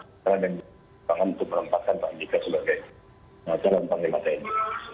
sekarang kita akan untuk menempatkan pak jika sebagai panglima tni